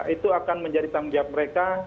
itu akan menjadi tanggung jawab mereka